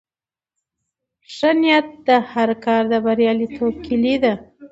ښه نیت د هر کار د بریالیتوب کیلي ده.